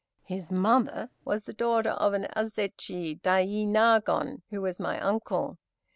His mother was the daughter of an Azechi Dainagon, who was my uncle.